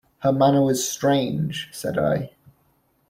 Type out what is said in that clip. "Her manner was strange," said I.